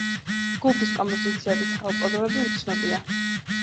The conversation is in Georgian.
ჯგუფის კომპოზიციების სახელწოდებები უცნობია.